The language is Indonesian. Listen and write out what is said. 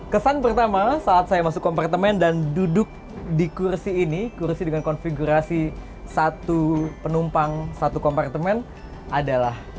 kesan pertama saat saya masuk kompartemen dan duduk di kursi ini kursi dengan konfigurasi satu penumpang satu kompartemen adalah